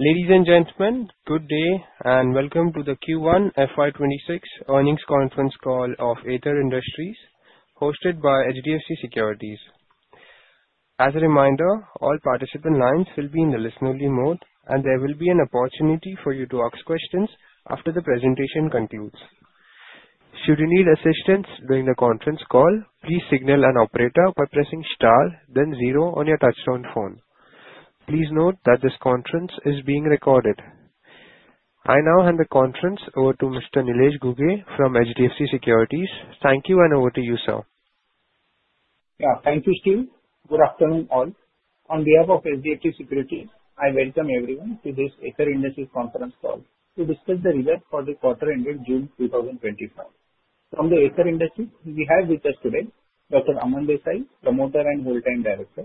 Ladies and gentlemen, good day and welcome to the Q1 FY 2026 earnings conference call of Aether Industries, hosted by HDFC Securities. As a reminder, all participant lines will be in the listen-only mode, and there will be an opportunity for you to ask questions after the presentation concludes. Should you need assistance during the conference call, please signal an operator by pressing star, then zero on your touch-tone phone. Please note that this conference is being recorded. I now hand the conference over to Mr. Nilesh Ghuge from HDFC Securities. Thank you, and over to you, sir. Yeah, thank you, Steve. Good afternoon, all. On behalf of HDFC Securities, I welcome everyone to this Aether Industries conference call to discuss the results for the quarter-ending June 2025. From the Aether Industries, we have with us today Dr. Aman Desai, Promoter and Whole-time Director,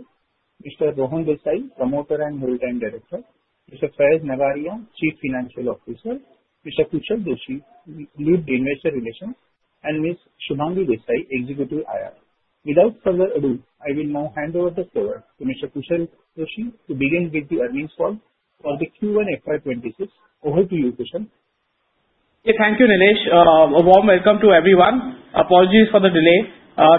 Mr. Rohan Desai, Promoter and Whole-time Director, Mr. Faiz Nagariya, Chief Financial Officer, Mr. Kushal Joshi, Lead Investor Relations, and Ms. Shubhangi Desai, Executive IR. Without further ado, I will now hand over the floor to Mr. Kushal Joshi to begin with the earnings call for the Q1 FY 2026. Over to you, Kushal. Yeah, thank you, Nilesh. A warm welcome to everyone. Apologies for the delay.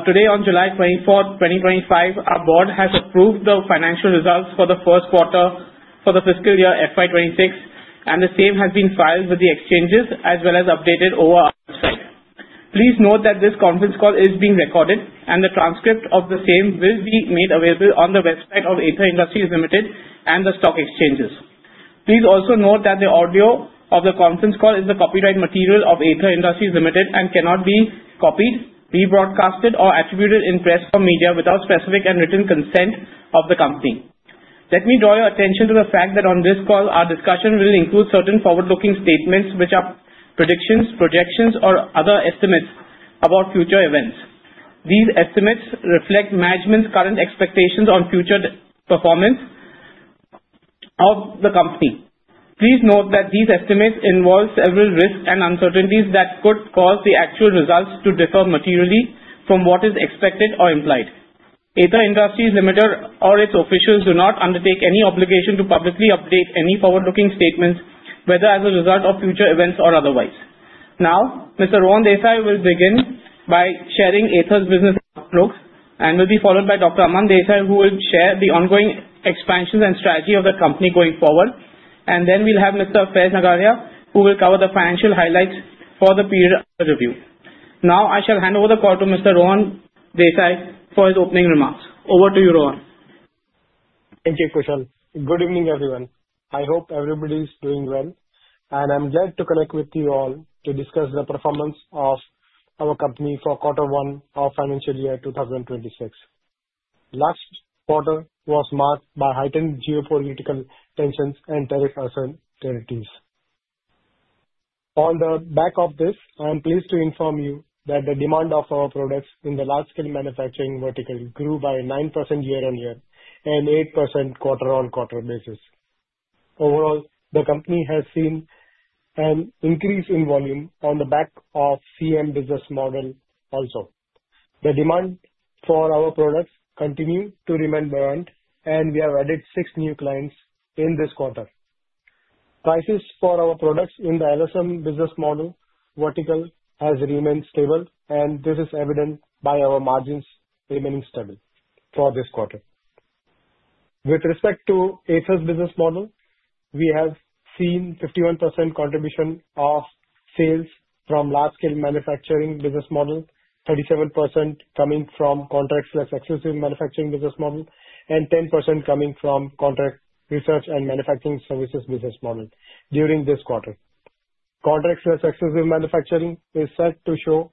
Today, on July 24th, 2025, our board has approved the financial results for the first quarter for the fiscal year FY 2026, and the same has been filed with the exchanges as well as updated over our website. Please note that this conference call is being recorded, and the transcript of the same will be made available on the website of Aether Industries Limited and the stock exchanges. Please also note that the audio of the conference call is the copyright material of Aether Industries Limited and cannot be copied, rebroadcast, or attributed in press or media without specific and written consent of the company. Let me draw your attention to the fact that on this call, our discussion will include certain forward-looking statements, which are predictions, projections, or other estimates about future events. These estimates reflect management's current expectations on future performance of the company. Please note that these estimates involve several risks and uncertainties that could cause the actual results to differ materially from what is expected or implied. Aether Industries Limited or its officials do not undertake any obligation to publicly update any forward-looking statements, whether as a result of future events or otherwise. Now, Mr. Rohan Desai will begin by sharing Aether's business outlook and will be followed by Dr. Aman Desai, who will share the ongoing expansions and strategy of the company going forward. And then we'll have Mr. Faiz Nagariya, who will cover the financial highlights for the period of the review. Now, I shall hand over the call to Mr. Rohan Desai for his opening remarks. Over to you, Rohan. Thank you, Kushal. Good evening, everyone. I hope everybody is doing well, and I'm glad to connect with you all to discuss the performance of our company for quarter one of financial year 2026. Last quarter was marked by heightened geopolitical tensions and tariff uncertainties. On the back of this, I'm pleased to inform you that the demand of our products in the large-scale manufacturing vertical grew by 9% year-on-year and 8% quarter-on-quarter basis. Overall, the company has seen an increase in volume on the back of CM business model also. The demand for our products continued to remain buoyant, and we have added six new clients in this quarter. Prices for our products in the LSM business model vertical have remained stable, and this is evident by our margins remaining stable for this quarter. With respect to Aether's business model, we have seen 51% contribution of sales from large-scale manufacturing business model, 37% coming from contract/exclusive manufacturing business model, and 10% coming from contract research and manufacturing services business model during this quarter. Contract/exclusive manufacturing is set to show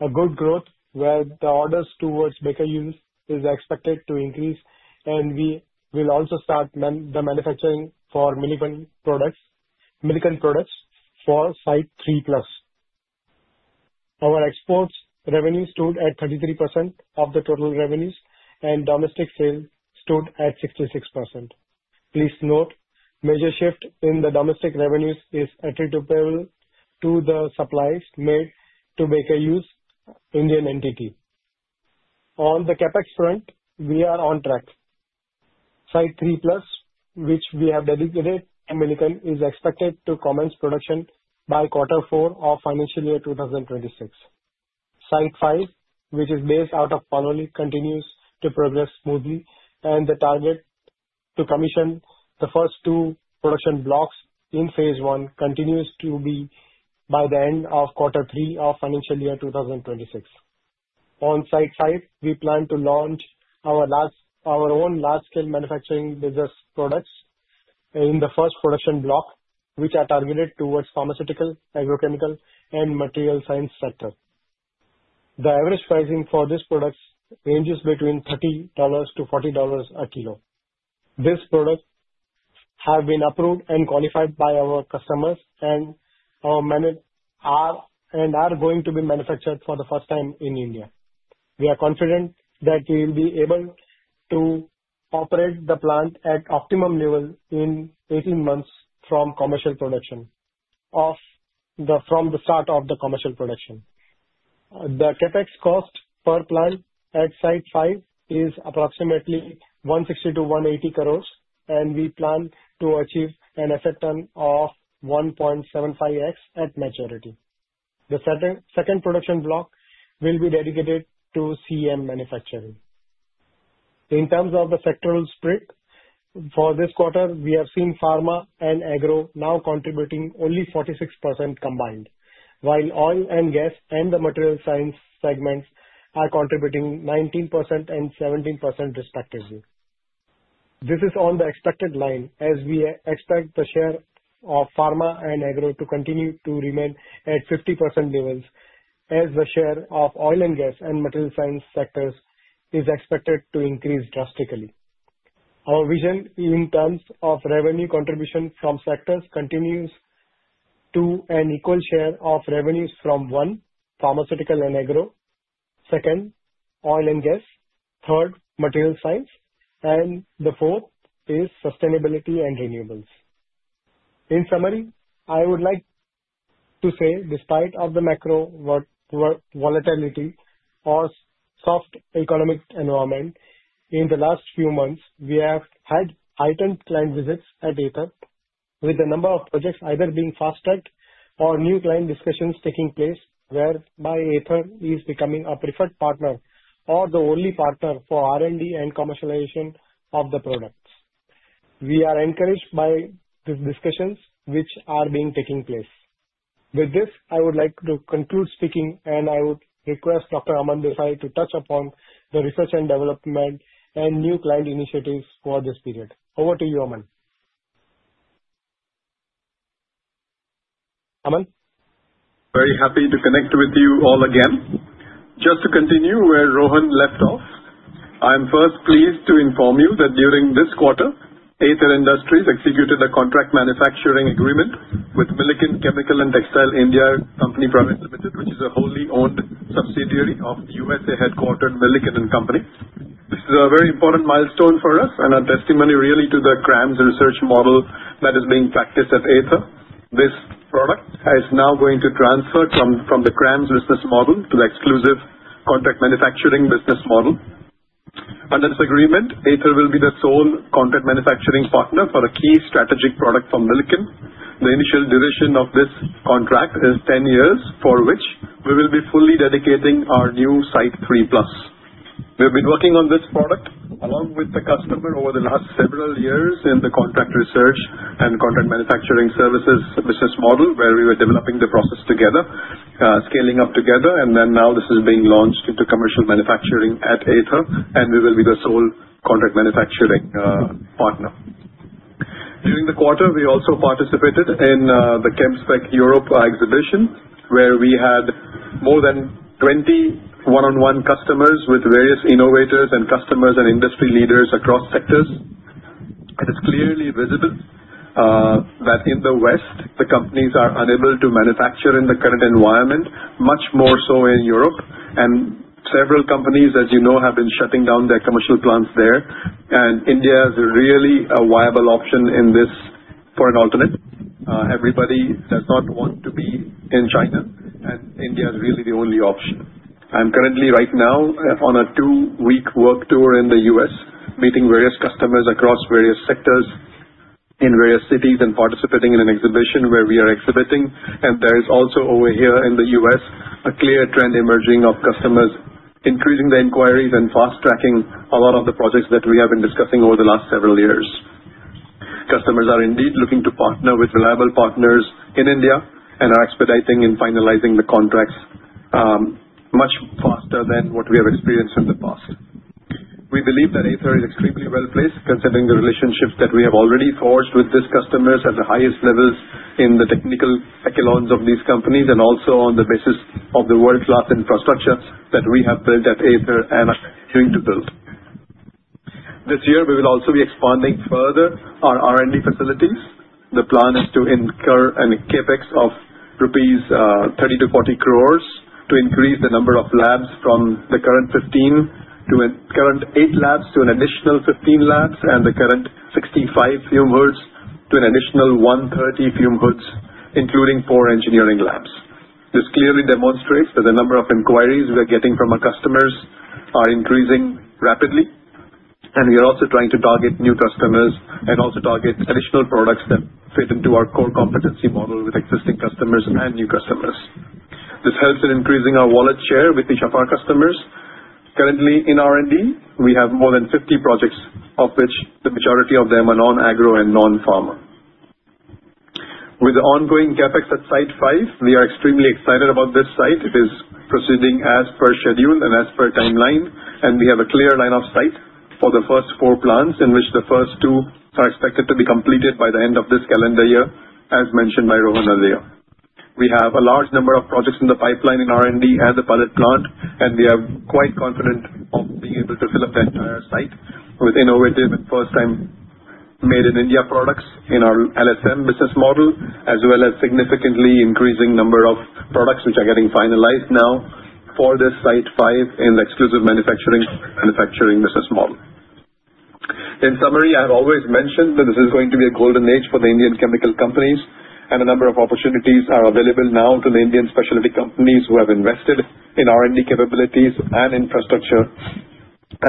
a good growth, where the orders towards Baker Hughes are expected to increase, and we will also start the manufacturing for Milliken products Site 3+. Our exports revenue stood at 33% of the total revenues, and domestic sales stood at 66%. Please note, the major shift in the domestic revenues is attributable to the supplies made to Baker Hughes in the entity. On the CapEx front, we are on Site 3+, which we have dedicated to Milliken, is expected to commence production by quarter four of financial year 2026. Site 5, which is based out of Panoli, continues to progress smoothly, and the target to commission the first two production blocks in phase one continues to be by the end of quarter three of financial year 2026. On Site 5, we plan to launch our own large-scale manufacturing business products in the first production block, which are targeted towards pharmaceutical, agrochemical, and material science sectors. The average pricing for these products ranges between $30-$40 a kilo. These products have been approved and qualified by our customers and are going to be manufactured for the first time in India. We are confident that we will be able to operate the plant at optimum level in 18 months from commercial production from the start of the commercial production. The CapEx cost per plant at Site 5 is approximately 160-180 crores, and we plan to achieve an asset turn of 1.75x at maturity. The second production block will be dedicated to CM manufacturing. In terms of the sectoral split for this quarter, we have seen pharma and agro now contributing only 46% combined, while oil and gas and the material sciences segments are contributing 19% and 17% respectively. This is on the expected line as we expect the share of pharma and agro to continue to remain at 50% levels as the share of oil and gas and material sciences sectors is expected to increase drastically. Our vision in terms of revenue contribution from sectors continues to an equal share of revenues from one, pharmaceutical and agro; second, oil and gas; third, material sciences; and the fourth is sustainability and renewables. In summary, I would like to say, despite the macro volatility or soft economic environment, in the last few months, we have had heightened client visits at Aether, with the number of projects either being fast-tracked or new client discussions taking place, whereby Aether is becoming a preferred partner or the only partner for R&D and commercialization of the products. We are encouraged by these discussions, which are being taken place. With this, I would like to conclude speaking, and I would request Dr. Aman Desai to touch upon the research and development and new client initiatives for this period. Over to you, Aman. Aman? Very happy to connect with you all again. Just to continue where Rohan left off, I am first pleased to inform you that during this quarter, Aether Industries executed a contract manufacturing agreement with Milliken Chemical & Textile (India) Co. Pvt. Ltd., which is a wholly owned subsidiary of USA-headquartered Milliken & Company. This is a very important milestone for us and a testimony really to the CRAMS research model that is being practiced at Aether. This product is now going to transfer from the CRAMS business model to the exclusive contract manufacturing business model. Under this agreement, Aether will be the sole contract manufacturing partner for a key strategic product from Milliken. The initial duration of this contract is 10 years, for which we will be fully dedicating our new Site 3+. We have been working on this product along with the customer over the last several years in the contract research and contract manufacturing services business model, where we were developing the process together, scaling up together, and then now this is being launched into commercial manufacturing at Aether, and we will be the sole contract manufacturing partner. During the quarter, we also participated in the ChemSpec Europe exhibition, where we had more than 20 one-on-one customers with various innovators and customers and industry leaders across sectors, and it's clearly visible that in the West, the companies are unable to manufacture in the current environment, much more so in Europe, and several companies, as you know, have been shutting down their commercial plants there, and India is really a viable option in this for an alternate. Everybody does not want to be in China, and India is really the only option. I'm currently, right now, on a two-week work tour in the U.S., meeting various customers across various sectors in various cities and participating in an exhibition where we are exhibiting, and there is also over here in the U.S., a clear trend emerging of customers increasing their inquiries and fast-tracking a lot of the projects that we have been discussing over the last several years. Customers are indeed looking to partner with reliable partners in India and are expediting and finalizing the contracts much faster than what we have experienced in the past. We believe that Aether is extremely well placed, considering the relationships that we have already forged with these customers at the highest levels in the technical echelons of these companies and also on the basis of the world-class infrastructure that we have built at Aether and are continuing to build. This year, we will also be expanding further our R&D facilities. The plan is to incur a CapEx of 30-40 crores rupees to increase the number of labs from the current 8 labs to an additional 15 labs and the current 65 fume hoods to an additional 130 fume hoods, including four engineering labs. This clearly demonstrates that the number of inquiries we are getting from our customers are increasing rapidly, and we are also trying to target new customers and also target additional products that fit into our core competency model with existing customers and new customers. This helps in increasing our wallet share with each of our customers. Currently, in R&D, we have more than 50 projects, of which the majority of them are non-agro and non-pharma. With the ongoing CapEx at Site 5, we are extremely excited about this site. It is proceeding as per schedule and as per timeline, and we have a clear line of sight for the first four plants, in which the first two are expected to be completed by the end of this calendar year, as mentioned by Rohan earlier. We have a large number of projects in the pipeline in R&D at the pilot plant, and we are quite confident of being able to fill up the entire site with innovative and first-time made-in-India products in our LSM business model, as well as significantly increasing the number of products which are getting finalized now for this Site 5 in the exclusive manufacturing business model. In summary, I have always mentioned that this is going to be a golden age for the Indian chemical companies, and a number of opportunities are available now to the Indian specialty companies who have invested in R&D capabilities and infrastructure,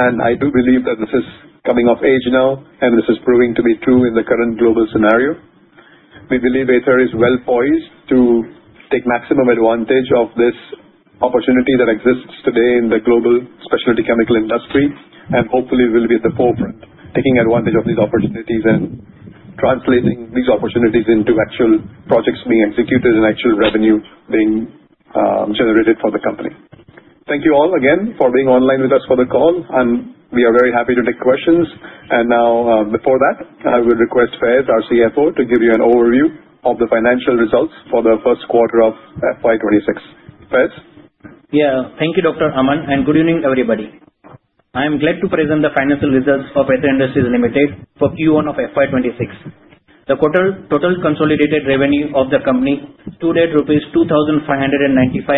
and I do believe that this is coming of age now, and this is proving to be true in the current global scenario. We believe Aether is well poised to take maximum advantage of this opportunity that exists today in the global specialty chemical industry and hopefully will be at the forefront, taking advantage of these opportunities and translating these opportunities into actual projects being executed and actual revenue being generated for the company. Thank you all again for being online with us for the call, and we are very happy to take questions. And now, before that, I will request Faiz, our CFO, to give you an overview of the financial results for the first quarter of FY 2026. Faiz? Yeah. Thank you, Dr. Aman, and good evening, everybody. I am glad to present the financial results of Aether Industries Limited for Q1 of FY 2026. The total consolidated revenue of the company stood at rupees 2,595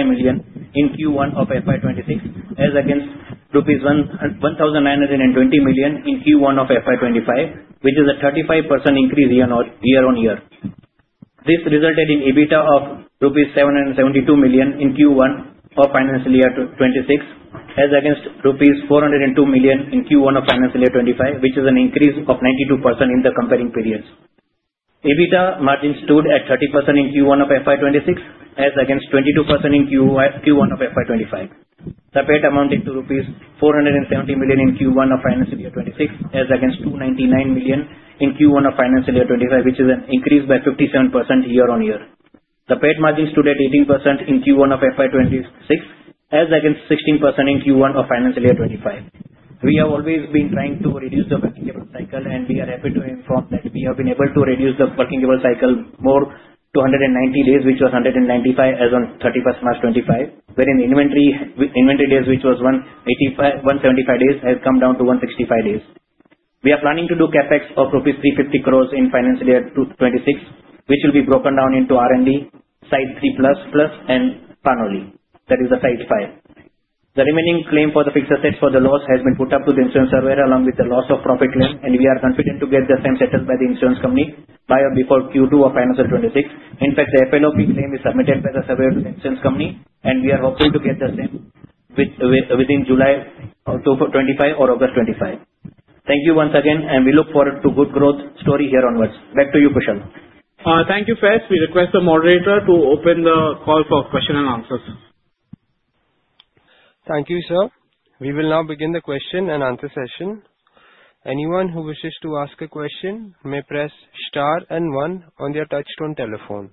million in Q1 of FY 2026, as against 1,920 million in Q1 of FY 2025, which is a 35% increase year-on-year. This resulted in EBITDA of rupees 772 million in Q1 of financial year 2026, as against rupees 402 million in Q1 of financial year 2025, which is an increase of 92% in the comparable periods. EBITDA margin stood at 30% in Q1 of FY 2026, as against 22% in Q1 of FY 2025. The PAT amounted to rupees 470 million in Q1 of financial year 2026, as against 299 million in Q1 of financial year 2025, which is an increase by 57% year-on-year. The PAT margin stood at 18% in Q1 of FY 2026, as against 16% in Q1 of financial year 2025. We have always been trying to reduce the working capital cycle, and we are happy to inform that we have been able to reduce the working capital cycle more to 190 days, which was 195 as of 31st March 2025, wherein inventory days, which was 175 days, have come down to 165 days. We are planning to do CapEx of rupees 350 crores in financial year 2026, which will be broken down into Site 3+, Site 3++, and Panoli. That is the Site 5. The remaining claim for the fixed assets for the loss has been put up to the insurance surveyor along with the loss of profit claim, and we are confident to get the same settled by the insurance company by or before Q2 of financial year 2026. In fact, the FLOP claim is submitted by the surveyor to the insurance company, and we are hopeful to get the same within July 2025 or August 2025. Thank you once again, and we look forward to a good growth story here onwards. Back to you, Kushal. Thank you, Faiz. We request the moderator to open the call for questions and answers. Thank you, sir. We will now begin the question and answer session. Anyone who wishes to ask a question may press star and one on their touch-tone telephone.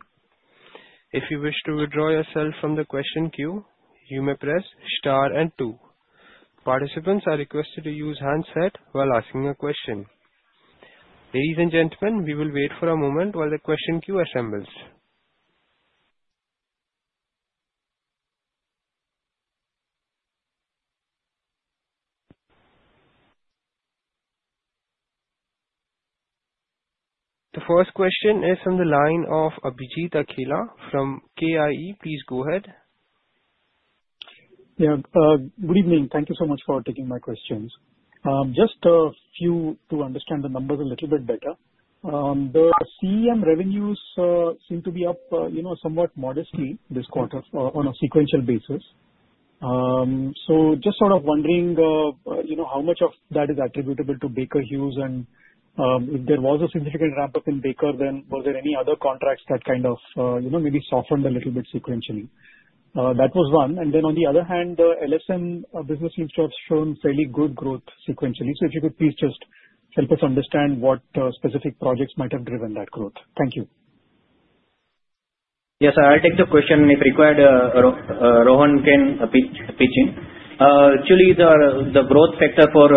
If you wish to withdraw yourself from the question queue, you may press star and two. Participants are requested to use handset while asking a question. Ladies and gentlemen, we will wait for a moment while the question queue assembles. The first question is from the line of Abhijit Akella from KIE. Please go ahead. Yeah. Good evening. Thank you so much for taking my questions. Just a few to understand the numbers a little bit better. The CM revenues seem to be up somewhat modestly this quarter on a sequential basis, so just sort of wondering how much of that is attributable to Baker Hughes, and if there was a significant ramp-up in Baker, then were there any other contracts that kind of maybe softened a little bit sequentially? That was one, and then on the other hand, the LSM business seems to have shown fairly good growth sequentially, so if you could please just help us understand what specific projects might have driven that growth. Thank you. Yes, I'll take the question if required. Rohan can pitch in. Actually, the growth factor for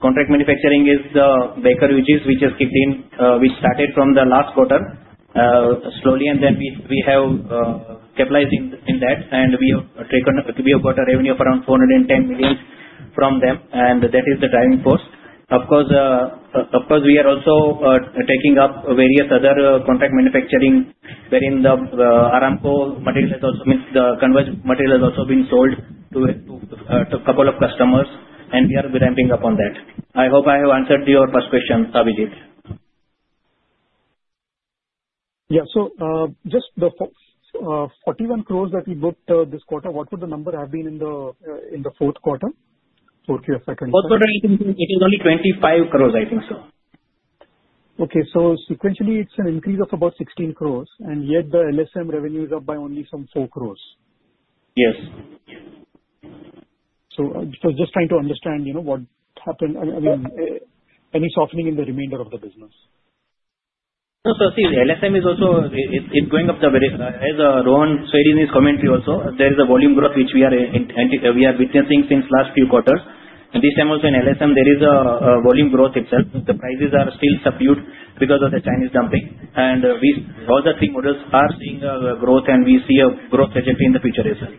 contract manufacturing is Baker Hughes, which started from the last quarter slowly, and then we have capitalized in that, and we have got a revenue of around 410 million from them, and that is the driving force. Of course, we are also taking up various other contract manufacturing, wherein the Aramco material has also been sold to a couple of customers, and we are ramping up on that. I hope I have answered your first question, Abhijit. Yeah. So just the 41 crores that we booked this quarter, what would the number have been in the fourth quarter for FY 2026? It is only 25 crores, I think so. Okay, so sequentially, it's an increase of about 16 crores, and yet the LSM revenues are up by only some 4 crores. Yes. So just trying to understand what happened. I mean, any softening in the remainder of the business? No, sir. See, the LSM is also going up thereby as Rohan said in his commentary. Also, there is a volume growth which we are witnessing since last few quarters, and this time also in LSM, there is a volume growth itself. The prices are still subdued because of the Chinese dumping, and all the three models are seeing growth, and we see a growth trajectory in the future as well.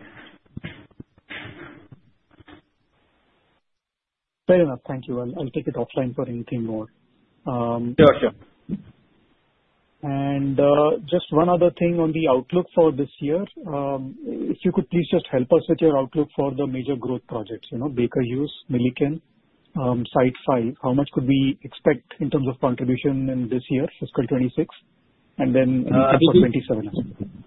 Fair enough. Thank you. I'll take it offline for anything more. Sure, sure. And just one other thing on the outlook for this year. If you could please just help us with your outlook for the major growth projects, Baker Hughes, Milliken, Site 5. How much could we expect in terms of contribution in this year, fiscal 2026, and then in fiscal 2027?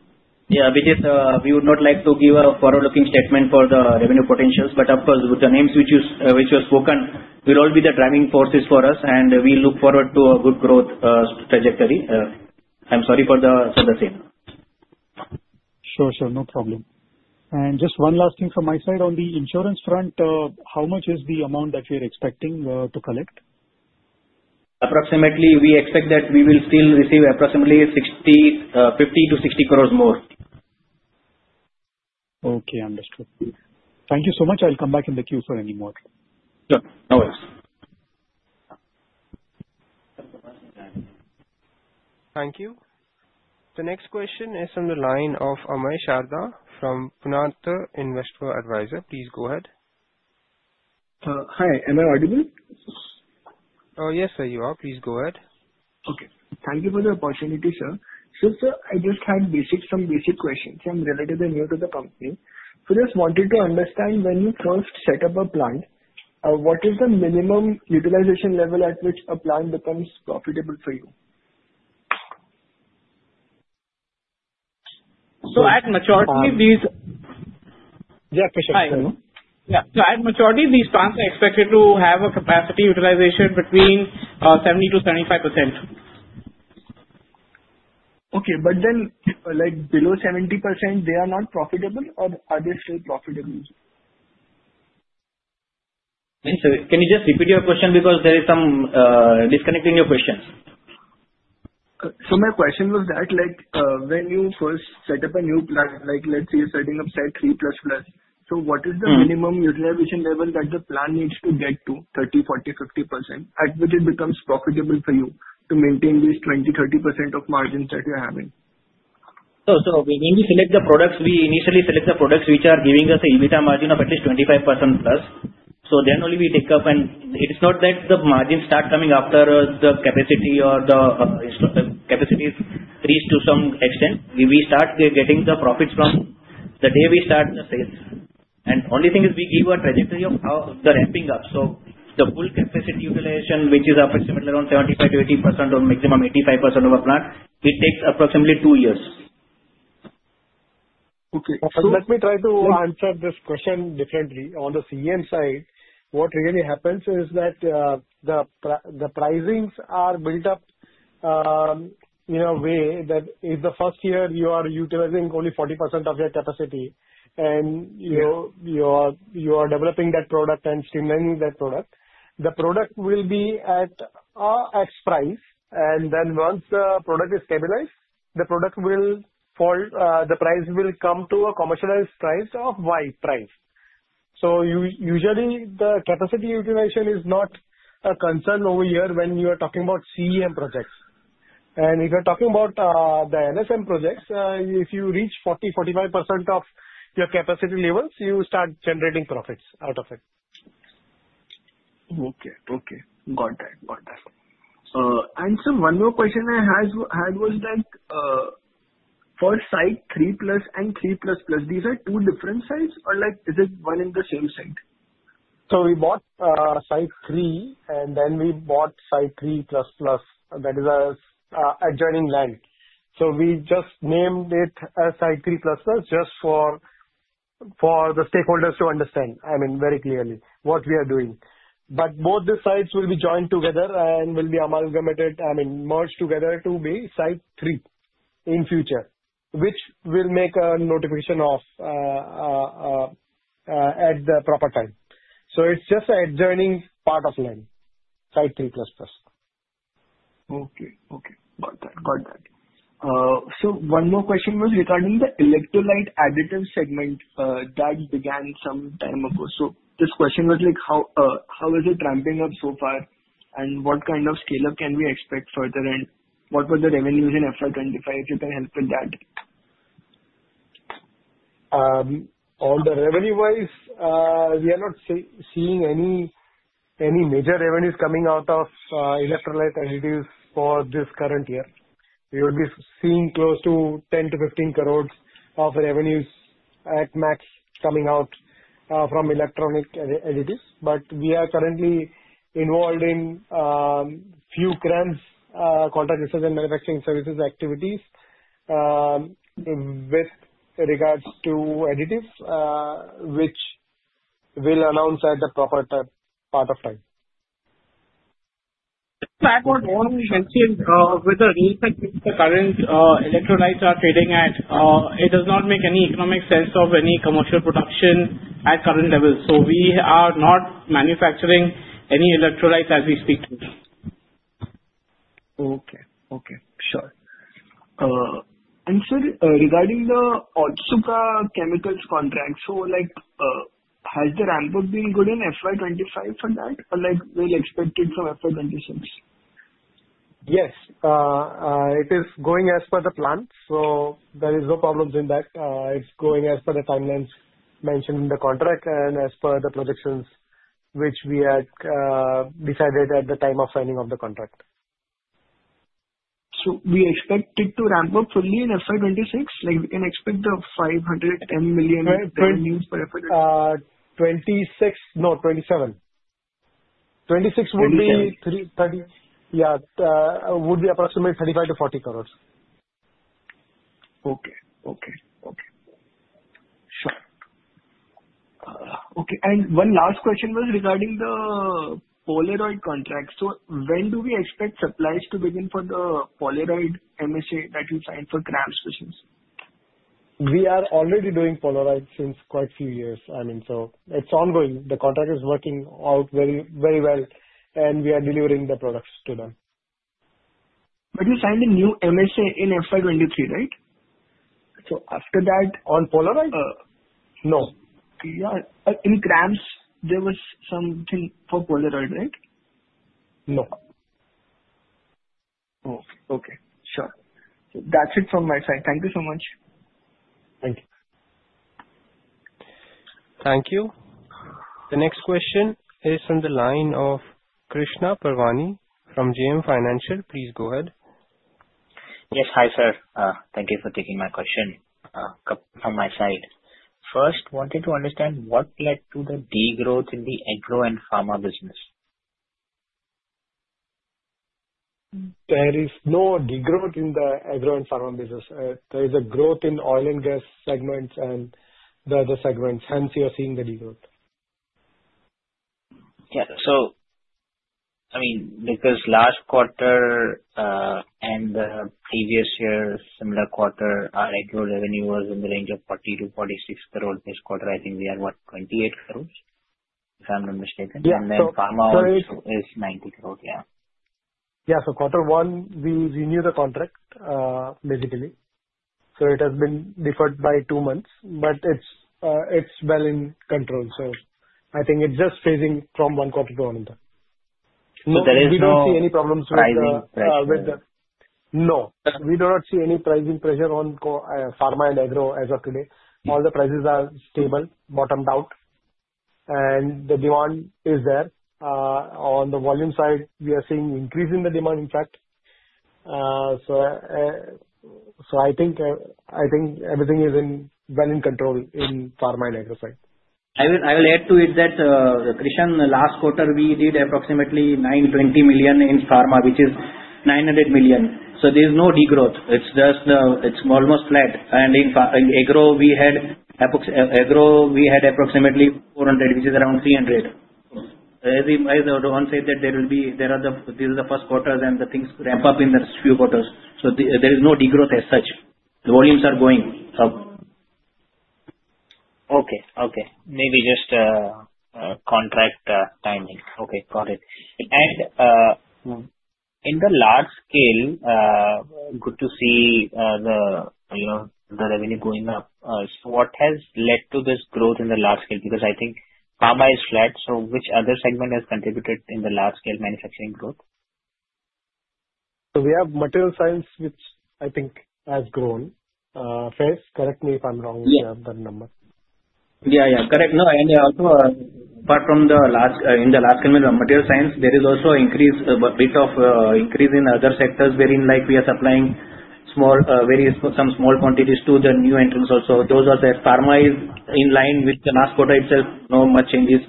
Yeah. Abhijit, we would not like to give a forward-looking statement for the revenue potentials, but of course, with the names which were spoken, will all be the driving forces for us, and we look forward to a good growth trajectory. I'm sorry for the same. Sure, sure. No problem. And just one last thing from my side. On the insurance front, how much is the amount that you're expecting to collect? Approximately, we expect that we will still receive approximately 50-60 crores more. Okay. Understood. Thank you so much. I'll come back in the queue for any more. Sure. No worries. Thank you. The next question is from the line of Amay Sharda from Purnartha Investment Advisers. Please go ahead. Hi. Am I audible? Yes, sir, you are. Please go ahead. Okay. Thank you for the opportunity, sir. Since I just had some basic questions. I'm relatively new to the company. So just wanted to understand when you first set up a plant, what is the minimum utilization level at which a plant becomes profitable for you? At maturity, these. Yeah, for sure. Yeah. So at maturity, these plants are expected to have a capacity utilization between 70%-75%. Okay. But then below 70%, they are not profitable, or are they still profitable? Can you just repeat your question because there is some disconnect in your questions? So my question was that when you first set up a new plant, let's say you're setting Site 3++, so what is the minimum utilization level that the plant needs to get to, 30%, 40%, 50%, at which it becomes profitable for you to maintain these 20%, 30% of margins that you're having? So when we select the products, we initially select the products which are giving us an EBITDA margin of at least 25% plus. So then only we take up, and it's not that the margins start coming after the capacity or the capacity is reached to some extent. We start getting the profits from the day we start the sales. And the only thing is we give a trajectory of the ramping up. So the full capacity utilization, which is approximately around 75%-80% or maximum 85% of a plant, it takes approximately two years. Okay. So let me try to answer this question differently. On the CM side, what really happens is that the pricings are built up in a way that if the first year you are utilizing only 40% of your capacity and you are developing that product and streamlining that product, the product will be at X price, and then once the product is stabilized, the price will come to a commercialized price of Y price. So usually, the capacity utilization is not a concern over here when you are talking about CM projects. And if you're talking about the LSM projects, if you reach 40%-45% of your capacity levels, you start generating profits out of it. Okay. Got that. And, sir, one more question I had was that Site 3+ and Site 3++, these are two different sites, or is it one and the same site? So we Site 3, and then we Site 3++. That is adjoining land. So we just named it Site 3++ just for the stakeholders to understand, I mean, very clearly what we are doing. But both the sites will be joined together and will be amalgamated, I mean, merged together to Site 3 in future, which will make a notification of at the proper time. So it's just an adjoining part of land, Site 3++. Okay. Got that. So one more question was regarding the electrolyte additive segment that began some time ago. So this question was how is it ramping up so far, and what kind of scale-up can we expect further, and what were the revenues in FY 2025? If you can help with that. On the revenue-wise, we are not seeing any major revenues coming out of electrolyte additives for this current year. We will be seeing close to 10-15 crores of revenues at max coming out from electrolyte additives. But we are currently involved in a few CRAMS activities with regards to additives, which we'll announce at the proper point in time. So I want to ask you, with the rates at which the current electrolytes are trading at, it does not make any economic sense of any commercial production at current levels. So we are not manufacturing any electrolytes as we speak to you. Okay. Okay. Sure. And sir, regarding the Otsuka Chemical contract, so has the ramp-up been good in FY 2025 for that, or will it expect it from FY 2026? Yes. It is going as per the plan, so there are no problems in that. It's going as per the timelines mentioned in the contract and as per the projections which we had decided at the time of signing of the contract. So we expect it to ramp up fully in FY 2026? We can expect the 510 million revenues for FY 2026? 26, no, 27. 26 would be 30, yeah, would be approximately 35-40 crores. Sure. And one last question was regarding the Polaroid contract. So when do we expect supplies to begin for the Polaroid MSA that you signed for CRAMS business? We are already doing Polaroid since quite a few years. I mean, so it's ongoing. The contract is working out very well, and we are delivering the products to them. But you signed a new MSA in FY 2023, right? So after that on Polaroid? No. Yeah. In CRAMS, there was something for Polaroid, right? No. Okay. Okay. Sure. That's it from my side. Thank you so much. Thank you. Thank you. The next question is from the line of Krishan Parwani from JM Financial. Please go ahead. Yes. Hi, sir. Thank you for taking my question from my side. First, wanted to understand what led to the degrowth in the agro and pharma business? There is no degrowth in the agro and pharma business. There is a growth in oil and gas segments and the other segments. Hence, you're seeing the degrowth. Yeah. So I mean, because last quarter and the previous year's similar quarter, our agro revenue was in the range of 40-46 crores. This quarter, I think we are what, 28 crores? If I'm not mistaken. And then pharma also is 90 crores. Yeah. Yeah. So quarter one, we renewed the contract basically. So it has been deferred by two months, but it's well in control. So I think it's just phasing from one quarter to another. There is no. So we don't see any problems with. Pricing pressure. No. We do not see any pricing pressure on pharma and agro as of today. All the prices are stable, bottomed out, and the demand is there. On the volume side, we are seeing an increase in the demand, in fact. So I think everything is well in control in pharma and agro side. I will add to it that, Krishan, last quarter, we did approximately 920 million in pharma, which is 900 million. So there is no degrowth. It's almost flat. And in agro, we had approximately 400, which is around 300. As Rohan said, that there are the first quarters, and the things ramp up in the few quarters. So there is no degrowth as such. The volumes are going up. Maybe just contract timing. Got it. In the large scale, good to see the revenue going up. So what has led to this growth in the large scale? Because I think pharma is flat. So which other segment has contributed in the large scale manufacturing growth? So we have material science, which I think has grown. Faiz, correct me if I'm wrong with the number. Yeah. Yeah. Correct. No. And also, apart from the large in the large scale, Material Sciences, there is also a bit of increase in other sectors wherein we are supplying some small quantities to the new entrants also. Those are the pharma is in line with the last quarter itself. No much changes.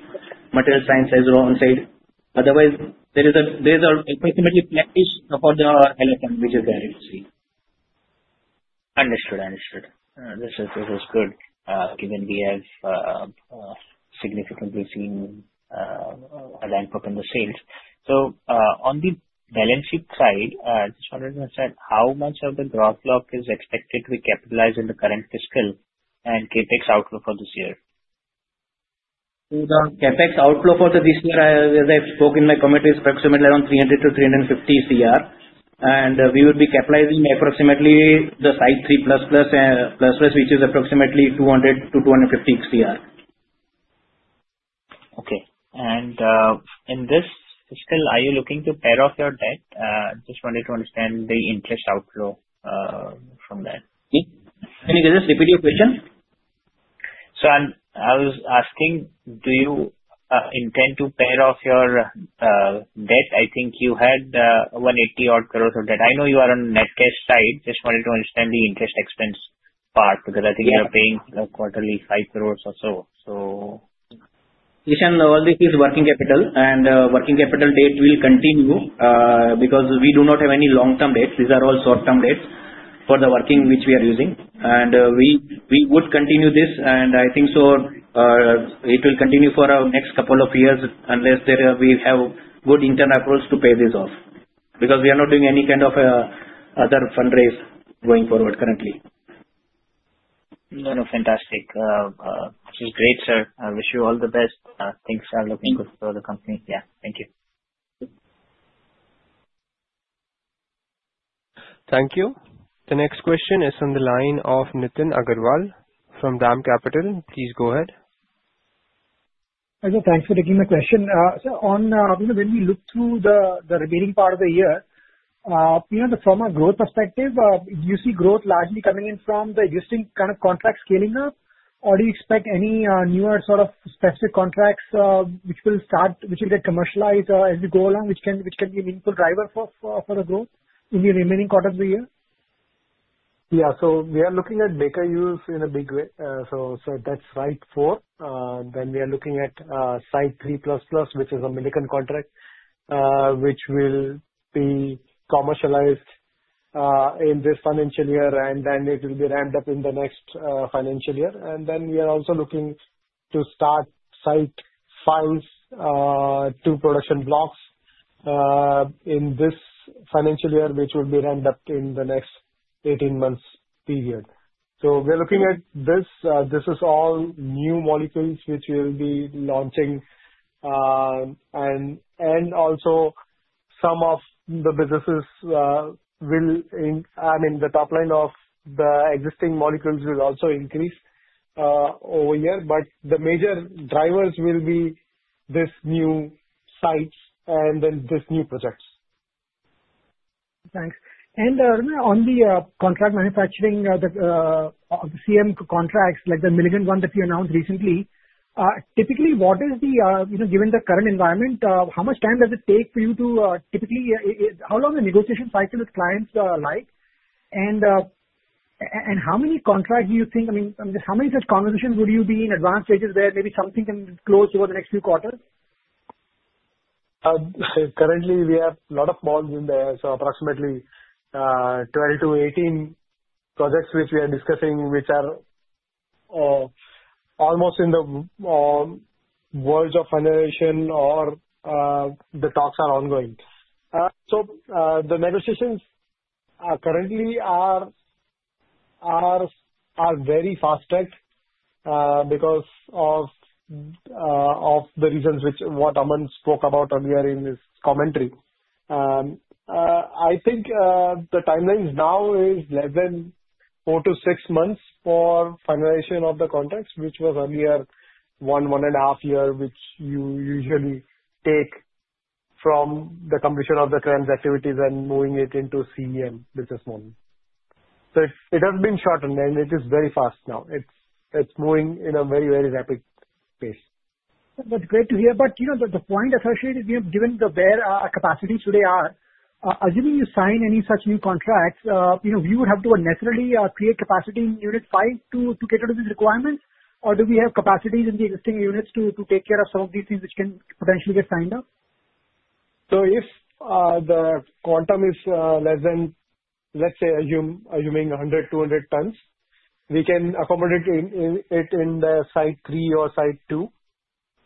Material Sciences has grown side. Otherwise, there is an approximately flatish for the LSM, which is where it is. Understood. This is good given we have significantly seen a ramp-up in the sales. So on the balance sheet side, I just wanted to understand how much of the gross block is expected to be capitalized in the current fiscal and CapEx outflow for this year? The CapEx outflow for this year, as I've spoken in my committee, is approximately around 300-350 CR, and we will be capitalizing approximately Site 3++, which is approximately 200-250 CR. Okay. And in this fiscal, are you looking to pay off your debt? Just wanted to understand the interest outflow from that. Can you just repeat your question? I was asking, do you intend to pay off your debt? I think you had 180 crores of debt. I know you are on net cash side. Just wanted to understand the interest expense part because I think you are paying quarterly 5 crores or so. So. Krishan, all this is working capital, and working capital debt will continue because we do not have any long-term debts. These are all short-term debts for the working which we are using, and we would continue this, and I think so it will continue for our next couple of years unless we have good internal approach to pay this off because we are not doing any kind of other fundraise going forward currently. No, no. Fantastic. This is great, sir. I wish you all the best. Things are looking good for the company. Yeah. Thank you. Thank you. The next question is from the line of Nitin Agarwal from DAM Capital. Please go ahead. Thanks for taking my question. So when we look through the remaining part of the year, from a growth perspective, do you see growth largely coming in from the existing kind of contract scaling up, or do you expect any newer sort of specific contracts which will get commercialized as we go along, which can be a meaningful driver for the growth in the remaining quarter of the year? Yeah. So we are looking at Baker Hughes in a big way. So that's Site 4. Then we are looking Site 3++, which is a Milliken contract, which will be commercialized in this financial year, and then it will be ramped up in the next financial year. And then we are also looking to start Site 5 to production blocks in this financial year, which will be ramped up in the next 18 months period. So we are looking at this. This is all new molecules which we will be launching, and also some of the businesses will, I mean, the top line of the existing molecules will also increase over here, but the major drivers will be these new sites and then these new projects. Thanks. And on the contract manufacturing, the CM contracts, like the Milliken one that you announced recently, given the current environment, how much time does it take for you? Typically, how long are the negotiation cycles with clients like? And how many contracts do you think, I mean, how many such conversations would you be in advanced stages where maybe something can close over the next few quarters? Currently, we have a lot of balls in the air. So approximately 12-18 projects which we are discussing, which are almost in the works of finalization or the talks are ongoing. So the negotiations currently are very fast tracked because of the reasons which what Aman spoke about earlier in his commentary. I think the timeline now is less than four to six months for finalization of the contracts, which was earlier one, one and a half year, which usually take from the completion of the transfer activities and moving it into CM business model. So it has been shortened, and it is very fast now. It's moving in a very, very rapid pace. That's great to hear. But the point associated, given the where our capacities today are, assuming you sign any such new contracts, you would have to necessarily create capacity in Site 5 to cater to these requirements, or do we have capacities in the existing units to take care of some of these things which can potentially get signed up? So if the quantum is less than, let's say, assuming 100, 200 tons, we can accommodate it Site 3 or Site 2.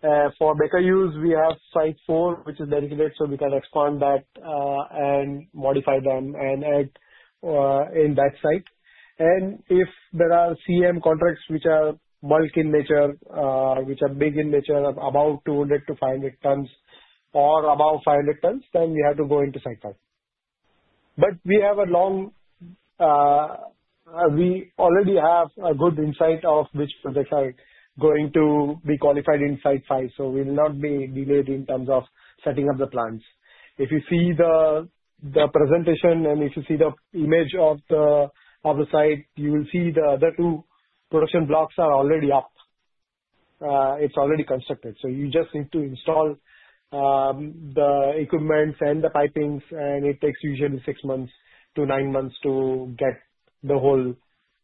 For Baker Hughes, we have Site 4, which is dedicated, so we can expand that and modify them and add in that site. And if there are CM contracts which are bulk in nature, which are big in nature, about 200 to 500 tons or above 500 tons, then we have to go into Site 5. But we already have a good insight of which projects are going to be qualified in Site 5, so we will not be delayed in terms of setting up the plans. If you see the presentation and if you see the image of the site, you will see the other two production blocks are already up. It's already constructed. You just need to install the equipment and the pipings, and it takes usually six months to nine months to get the whole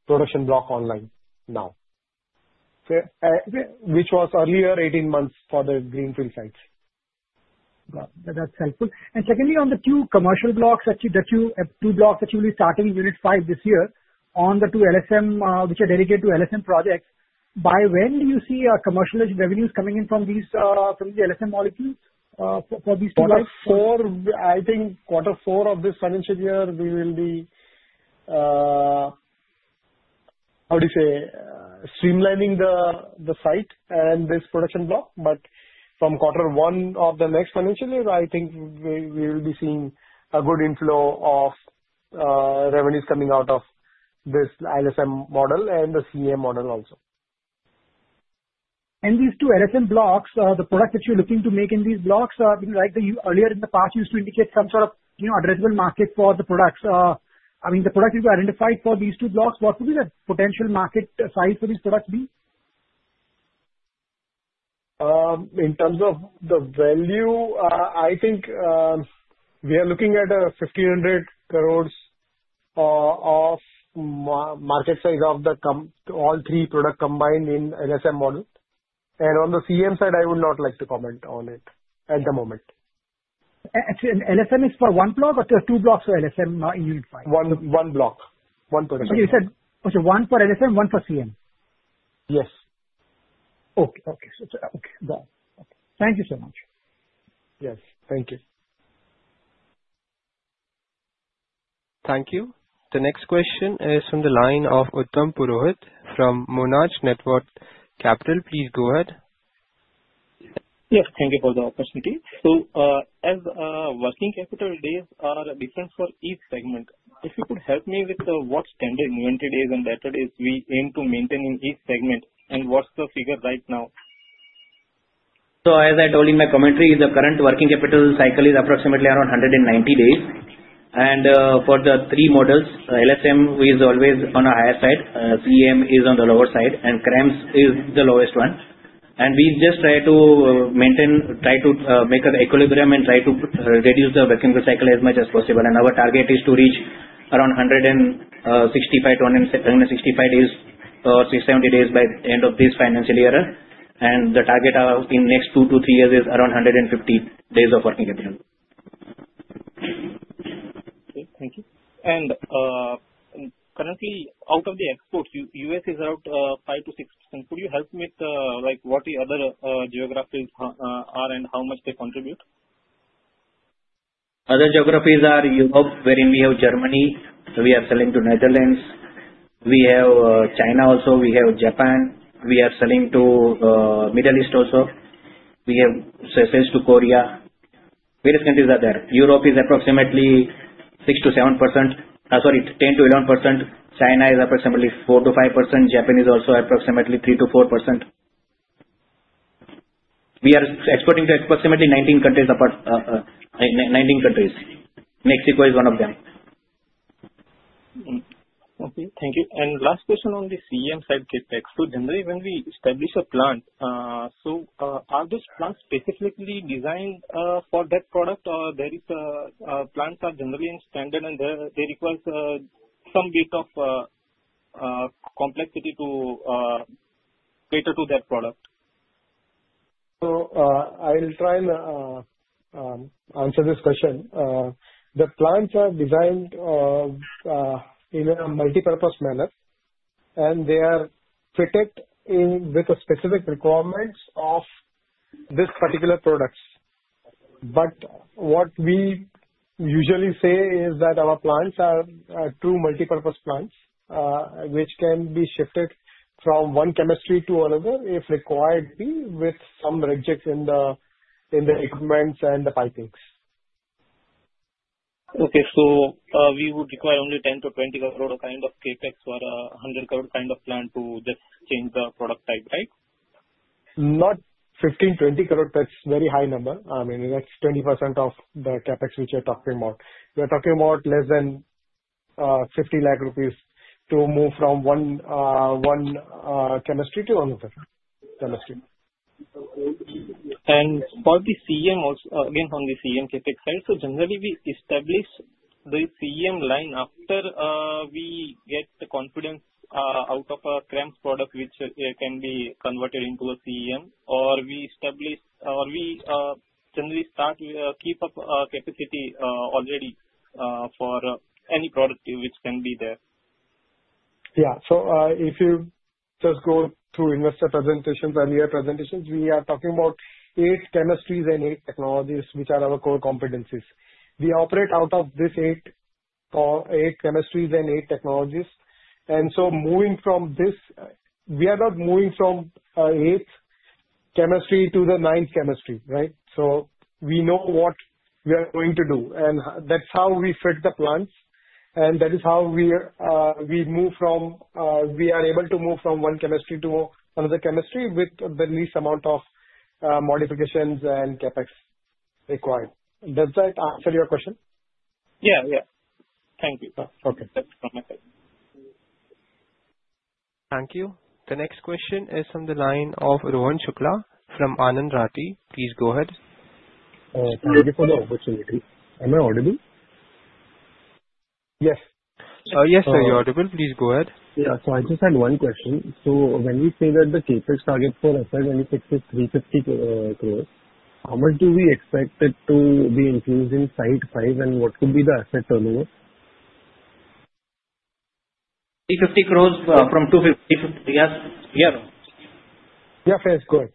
production block online now, which was earlier 18 months for the greenfield sites. That's helpful. And secondly, on the two commercial blocks that you have, two blocks that you will be starting in unit five this year on the two LSM, which are dedicated to LSM projects, by when do you see commercial revenues coming in from these LSM molecules for these two blocks? I think quarter four of this financial year, we will be, how do you say, streamlining the site and this production block. But from quarter one of the next financial year, I think we will be seeing a good inflow of revenues coming out of this LSM model and the CM model also. These two LSM blocks, the product that you're looking to make in these blocks, like earlier in the past, used to indicate some sort of addressable market for the products. I mean, the product you identified for these two blocks, what would be the potential market size for these products be? In terms of the value, I think we are looking at 1,500 crores of market size of all three products combined in LSM model, and on the CM side, I would not like to comment on it at the moment. LSM is for one block or two blocks for LSM in unit five? One block. One product. Okay. You said, okay, one for LSM, one for CM? Yes. Okay. Thank you so much. Yes. Thank you. Thank you. The next question is from the line of Uttam Purohit from Monarch Networth Capital. Please go ahead. Yes. Thank you for the opportunity. So as working capital days are different for each segment, if you could help me with what standard inventory days and debtor days we aim to maintain in each segment and what's the figure right now? So as I told in my commentary, the current working capital cycle is approximately around 190 days. And for the three models, LSM is always on a higher side, CM is on the lower side, and CRAMS is the lowest one. And we just try to maintain, try to make an equilibrium and try to reduce the working cycle as much as possible. And our target is to reach around 165 days or 70 days by the end of this financial year. And the target in the next two to three years is around 150 days of working capital. Okay. Thank you. Currently, out of the exports, U.S. is around 5%-6%. Could you help me with what the other geographies are and how much they contribute? Other geographies are Europe, wherein we have Germany, so we are selling to Netherlands. We have China also. We have Japan. We are selling to the Middle East also. We have sales to Korea. Various countries are there. Europe is approximately 6%-7%. Sorry, 10%-11%. China is approximately 4%-5%. Japan is also approximately 3%-4%. We are exporting to approximately 19 countries. Mexico is one of them. Okay. Thank you. And last question on the CM side CapEx. So generally, when we establish a plant, so are those plants specifically designed for that product, or there are plants that are generally in standard, and they require some bit of complexity to cater to that product? I'll try and answer this question. The plants are designed in a multipurpose manner, and they are fitted with the specific requirements of these particular products. But what we usually say is that our plants are true multipurpose plants, which can be shifted from one chemistry to another if required be with some re-jigging in the equipment and the pipings. Okay. So we would require only 10-20 crore kind of CapEx for a 100 crore kind of plant to just change the product type, right? Not 15-20 crore. That's a very high number. I mean, that's 20% of the CapEx which we are talking about. We are talking about less than 50 lakh rupees to move from one chemistry to another chemistry. For the CM also, again, on the CM CapEx side, so generally, we establish the CM line after we get the confidence out of a CRAMS product which can be converted into a CM, or we establish, or we generally start keep up capacity already for any product which can be there. Yeah. So if you just go through investor presentations, earlier presentations, we are talking about eight chemistries and eight technologies which are our core competencies. We operate out of these eight chemistries and eight technologies. And so moving from this, we are not moving from eighth chemistry to the ninth chemistry, right? So we know what we are going to do, and that's how we fit the plants, and that is how we are able to move from one chemistry to another chemistry with the least amount of modifications and CapEx required. Does that answer your question? Yeah. Yeah. Thank you. Okay. Thank you. The next question is from the line of Rohan Shukla from Anand Rathi. Please go ahead. Thank you for the opportunity. Am I audible? Yes. Yes, sir, you're audible. Please go ahead. Yeah. So I just had one question. So when we say that the CapEx target for Aether when it exceeds 350 crore, how much do we expect it to be infused in Site 5 and what could be the asset turnover? 350 crore from 250 crore, yes. Yeah. Yeah. Fair. Go ahead.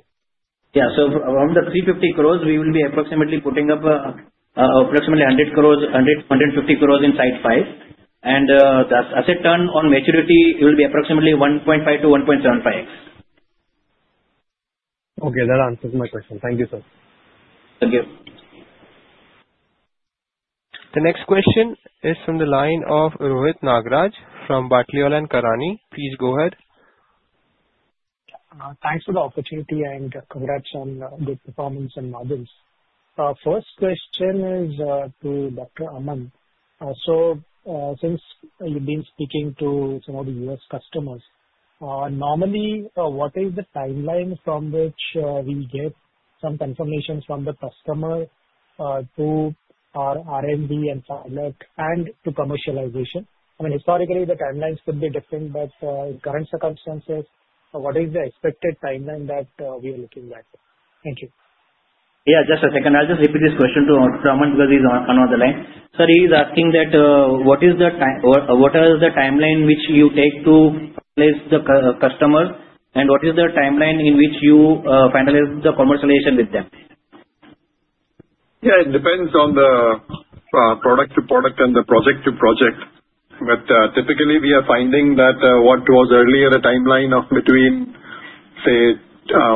Yeah. On the 350 crore, we will be approximately putting up approximately 100-150 crore in Site 5. And the asset turn on maturity will be approximately 1.5x-1.75x. Okay. That answers my question. Thank you, sir. Thank you. The next question is from the line of Rohit Nagraj from Batlivala & Karani. Please go ahead. Thanks for the opportunity and congrats on the performance and models. First question is to Dr. Aman. So since you've been speaking to some of the US customers, normally, what is the timeline from which we get some confirmations from the customer to our R&D and pilot and to commercialization? I mean, historically, the timelines could be different, but in current circumstances, what is the expected timeline that we are looking at? Thank you. Yeah. Just a second. I'll just repeat this question to Dr. Aman because he's on another line. So he's asking that what is the timeline which you take to finalize the customer and what is the timeline in which you finalize the commercialization with them? Yeah. It depends on the product to product and the project to project. But typically, we are finding that what was earlier a timeline of between, say,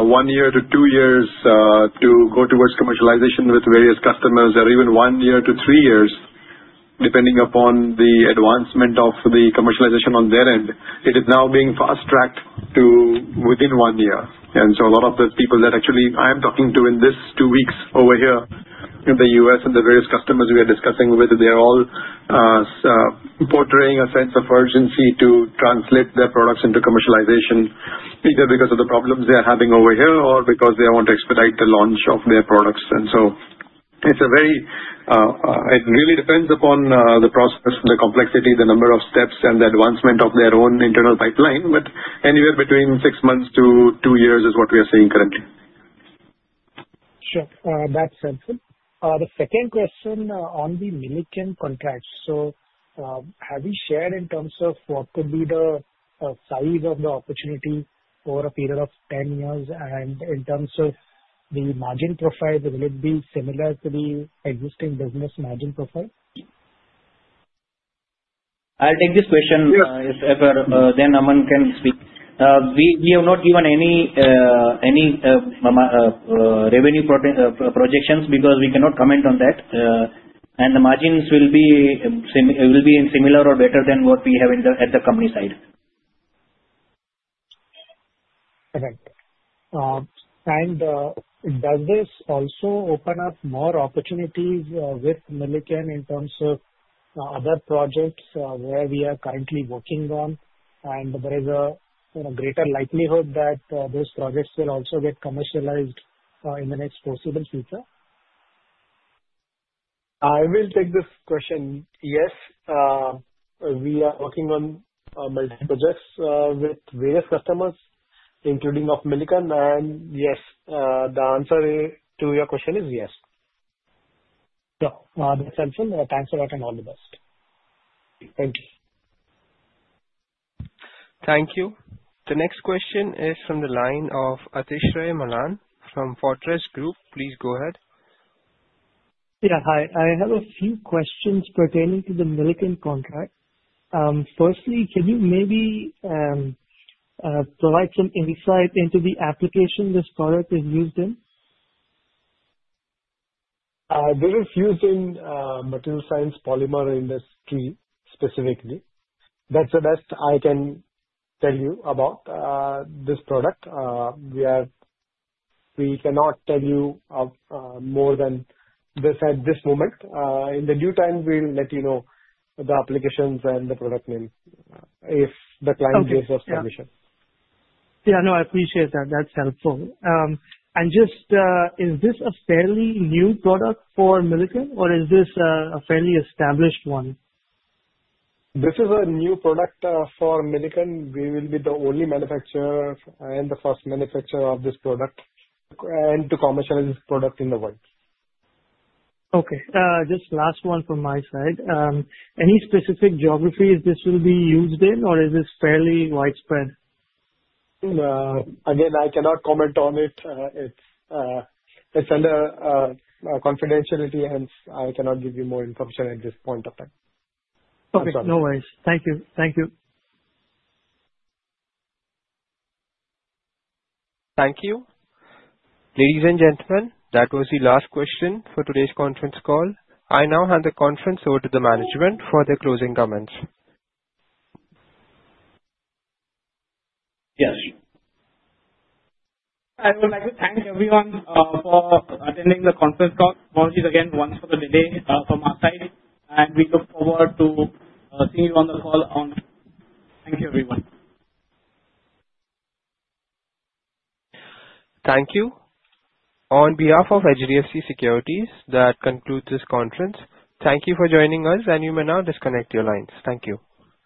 one year to two years to go towards commercialization with various customers or even one year to three years, depending upon the advancement of the commercialization on their end, it is now being fast tracked to within one year. And so a lot of the people that actually I am talking to in these two weeks over here in the U.S. and the various customers we are discussing with, they're all portraying a sense of urgency to translate their products into commercialization, either because of the problems they are having over here or because they want to expedite the launch of their products. It really depends upon the process, the complexity, the number of steps, and the advancement of their own internal pipeline. Anywhere between six months to two years is what we are seeing currently. Sure. That's helpful. The second question on the Milliken contracts. So have you shared in terms of what could be the size of the opportunity over a period of 10 years and in terms of the margin profile, will it be similar to the existing business margin profile? I'll take this question. Thereafter, Aman can speak. We have not given any revenue projections because we cannot comment on that, and the margins will be in similar or better than what we have at the company side. Perfect. And does this also open up more opportunities with Milliken in terms of other projects where we are currently working on, and there is a greater likelihood that those projects will also get commercialized in the next possible future? I will take this question. Yes. We are working on multiple projects with various customers, including of Milliken. And yes, the answer to your question is yes. Yeah. That's helpful. Thanks a lot and all the best. Thank you. Thank you. The next question is from the line of Atishay Malan from Fortress Group. Please go ahead. Yeah. Hi. I have a few questions pertaining to the Milliken contract. Firstly, can you maybe provide some insight into the application this product is used in? This is used in the material science polymer industry specifically. That's the best I can tell you about this product. We cannot tell you more than this at this moment. In the due time, we'll let you know the applications and the product name if the client gives us permission. Yeah. No, I appreciate that. That's helpful. And just, is this a fairly new product for Milliken, or is this a fairly established one? This is a new product for Milliken. We will be the only manufacturer and the first manufacturer of this product and to commercialize this product in the world. Okay. Just last one from my side. Any specific geographies this will be used in, or is this fairly widespread? Again, I cannot comment on it. It's under confidentiality, and I cannot give you more information at this point of time. Okay. No worries. Thank you. Thank you. Thank you. Ladies and gentlemen, that was the last question for today's conference call. I now hand the conference over to the management for their closing comments. Yes. I would like to thank everyone for attending the conference call. Apologies again once for the delay from our side. And we look forward to seeing you on the call on. Thank you, everyone. Thank you. On behalf of HDFC Securities, that concludes this conference. Thank you for joining us, and you may now disconnect your lines. Thank you.